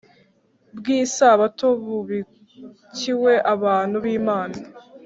bw isabato bubikiwe abantu b Imana